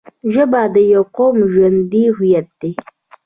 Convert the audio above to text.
ژبه د یوه قوم ژوندی هویت دی